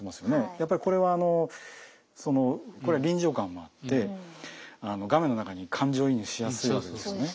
やっぱりこれはあのこれは臨場感もあって画面の中に感情移入しやすいわけですよね。